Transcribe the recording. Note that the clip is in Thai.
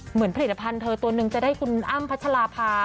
ผลิตภัณฑ์เธอตัวนึงจะได้คุณอ้ำพัชราภา